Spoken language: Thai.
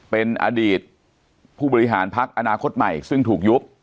เป็นอดีตผู้บริหารพักอนาคตใหม่ซึ่งถูกยุบ